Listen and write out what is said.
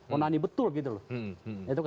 onani betul gitu loh